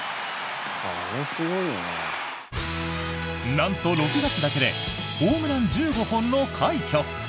なんと、６月だけでホームラン１５本の快挙。